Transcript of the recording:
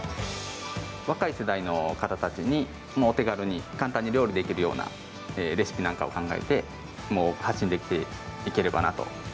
若い世代の方たちにお手軽に簡単に料理できるようなレシピなんかを考えて発信できていければなと思います。